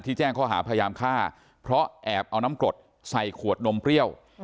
แจ้งข้อหาพยายามฆ่าเพราะแอบเอาน้ำกรดใส่ขวดนมเปรี้ยว